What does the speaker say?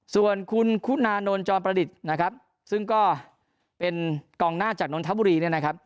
ส่วนคุณคุณานนท์จอมประดิษฐ์เป็นกองหน้าจากนทบุรี